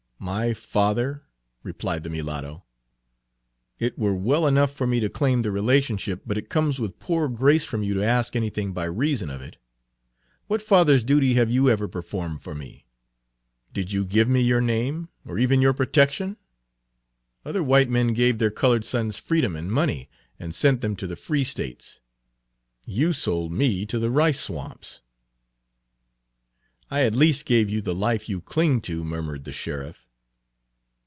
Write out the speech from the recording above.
"My father?" replied the mulatto. "It were well enough for me to claim the relationship, but it comes with poor grace from you to ask anything by reason of it. What father's duty have you ever performed for me? Did you give me your name, or even your protection? Other white men gave their colored sons freedom and money, and sent them to the free States. You sold me to the rice swamps." "I at least gave you the life you cling to," murmured the sheriff.